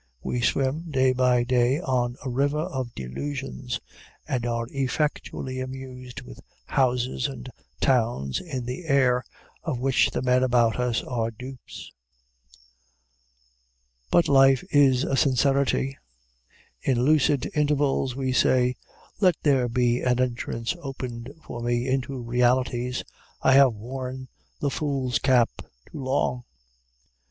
We swim, day by day, on a river of delusions, and are effectually amused with houses and towns in the air, of which the men about us are dupes. But life is a sincerity. In lucid intervals we say, "Let there be an entrance opened for me into realties; I have worn the fool's cap too long."